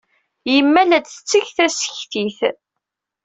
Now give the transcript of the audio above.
Yemma la d-tetteg tasektit.